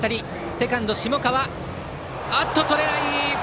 セカンドとれない。